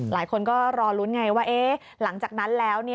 หลายคนก็รอลุ้นไงว่าหลังจากนั้นแล้ว